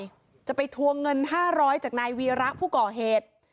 ไปทวงเงินหน่อยจะไปทวงเงินห้าร้อยจากนายวีระผู้ก่อเหตุ